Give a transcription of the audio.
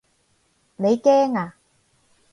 你驚啊？